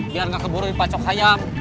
biar gak keburu di pacok sayam